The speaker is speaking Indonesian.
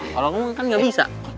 kalau kamu kan gak bisa